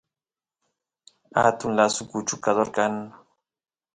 atun lasu kuchukador kan